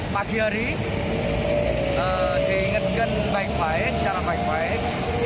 pagi hari diingatkan baik baik secara baik baik